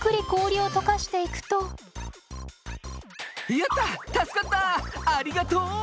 やった助かったありがとう。